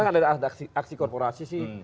karena ada aksi korporasi sih